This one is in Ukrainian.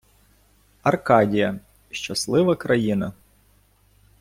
Аркадія — щаслива країна